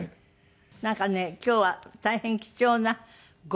なんかね今日は大変貴重なご夫妻の。